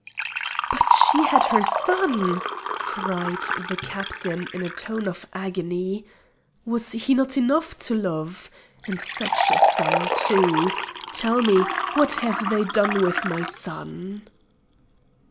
"But she had her son!" cried the Captain in a tone of agony. "Was not he enough to love? And such a son, too! Tell me, what have they done with my son?"